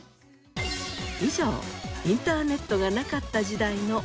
以上インターネットがなかった時代のお話でした。